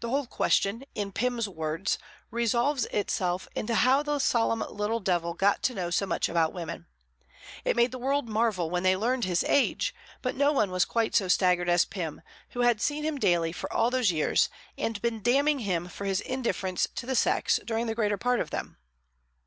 The whole question, in Pym's words, resolves itself into how the solemn little devil got to know so much about women. It made the world marvel when they learned his age, but no one was quite so staggered as Pym, who had seen him daily for all those years, and been damning him for his indifference to the sex during the greater part of them.